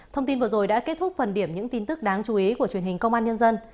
thông tin vừa rồi đã kết thúc phần điểm những tin tức đáng chú ý của truyền hình công an nhân dân